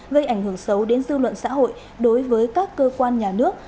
gây ảnh hưởng xấu đến dư luận xã hội đối với các cơ quan nhà nước